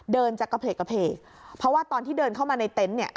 จะกระเพกเพราะว่าตอนที่เดินเข้ามาในเต็นต์เนี่ย